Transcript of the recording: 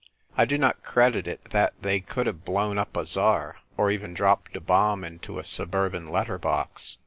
I do not credit it that they could have blown up a Tsar, or even dropped a bomb into a suburban letter box.